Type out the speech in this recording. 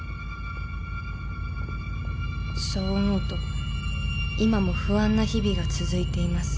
［そう思うと今も不安な日々が続いています］